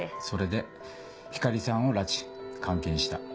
それで光莉さんを拉致監禁した。